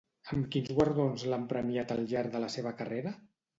Amb quins guardons l'han premiat al llarg de la seva carrera?